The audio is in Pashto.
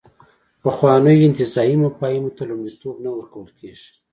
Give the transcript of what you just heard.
پخوانیو انتزاعي مفاهیمو ته لومړیتوب نه ورکول کېږي.